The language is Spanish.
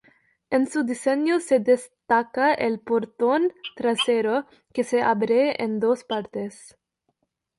En su diseño se destaca el portón trasero, que se abre en dos partes.